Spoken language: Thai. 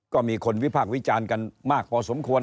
ก็มีคนวิพากษ์วิจารณ์กันมากพอสมควร